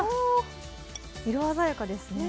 色鮮やかですね。